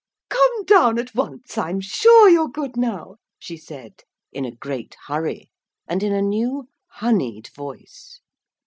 'Come down at once. I'm sure you're good now,' she said, in a great hurry and in a new honeyed voice.